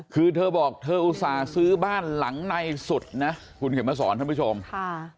คือเธอบอกเธออุตส่าห์ซื้อบ้านหลังในสุดนะคุณเขียนมาสอนท่านผู้ชมค่ะ